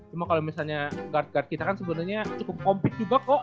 cuma kalau misalnya guard guard kita kan sebenarnya cukup komplit juga kok